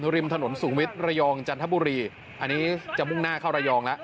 ริมถนนสูงวิทย์ระยองจันทบุรีอันนี้จะมุ่งหน้าเข้าระยองแล้ว